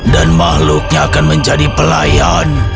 dan makhluknya akan menjadi pelayanku